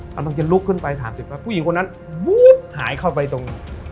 กำลังจะลุกขึ้นไปถามสิบน้ำผู้หญิงคนนั้นหายเข้าไปตรง